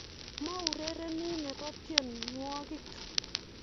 mo urerie ne bo tienwokik